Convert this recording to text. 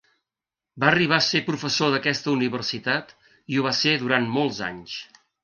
Va arribar a ser professor d'aquesta universitat i ho va ser durant molts anys.